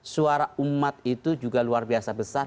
suara umat itu juga luar biasa besar